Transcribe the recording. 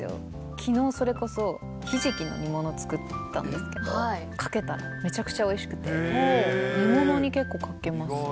きのう、それこそひじきの煮物を作ったんですけど、かけたらめちゃくちゃおいしくて、煮物に結構かけますね。